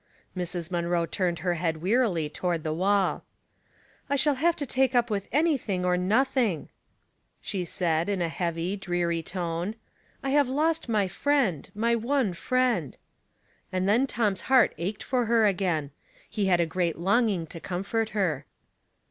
Mrs. Munroe turned her head wearily toward the wall. '' I shall have to take up with anything or nothing," she said, in a heavy, dreary tone. " I have lost my friend, my one friend." And then Tom's heart ached for her again ; he had a great longing to comfort her.